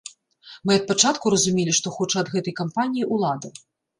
Мы ад пачатку разумелі, што хоча ад гэтай кампаніі ўлада.